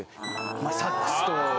まあサックスと。